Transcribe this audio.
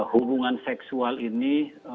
hubungan seksual ini